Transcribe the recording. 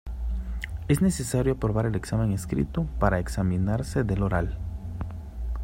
Es necesario aprobar el examen escrito para examinarse del oral.